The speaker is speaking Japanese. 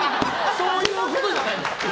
そういうことじゃない！